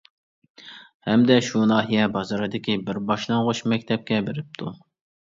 ھەمدە شۇ ناھىيە بازىرىدىكى بىر باشلانغۇچ مەكتەپكە بېرىپتۇ.